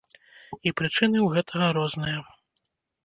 І прычыны ў гэтага розныя.